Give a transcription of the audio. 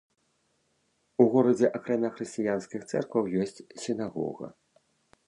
У горадзе, акрамя хрысціянскіх цэркваў, ёсць сінагога.